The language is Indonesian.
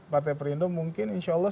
partai perindo mungkin insya allah